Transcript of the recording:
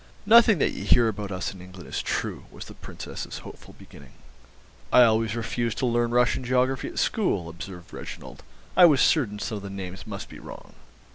"Nothing that you hear about us in England is true," was the Princess's hopeful beginning. "I always refused to learn Russian geography at school," observed Reginald; "I was certain some of the names must be wrong."